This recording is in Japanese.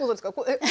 えっ？